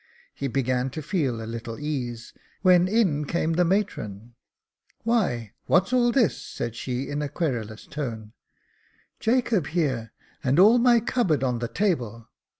He began to feel a little ease, when in came the matron. Why, what's all this?" said she in a querulous tone. " Jacob here, and all my cupboard on the table.